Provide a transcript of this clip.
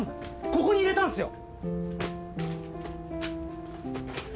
ここに入れたんっすよ！